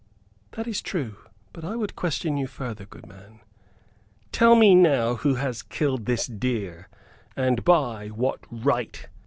"That is true, but I would question you further, good man. Tell me now who has killed this deer, and by what right?"